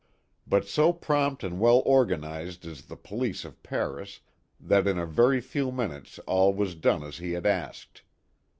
But so prompt and well organized is the police of Paris that in a very few minutes all was done as he had asked.